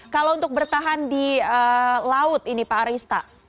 kalau untuk bertahan di laut ini pak arista